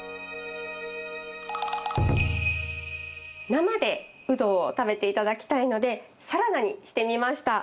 生でウドを食べて頂きたいのでサラダにしてみました。